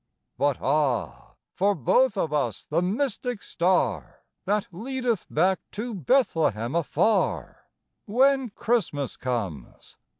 But ah, for both of us the mystic star That leadeth back to Bethlehem afar, When Christmas comes.